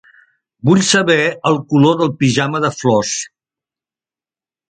Vull saber el color del pijama de flors.